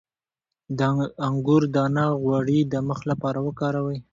د انګور دانه غوړي د مخ لپاره وکاروئ